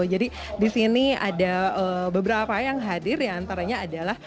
jadi di sini ada beberapa yang hadir ya antaranya adalah